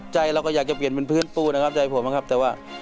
ใจเราก็อยากจะเปลี่ยนเป็นพื้นปูนะครับใจผมนะครับแต่ว่า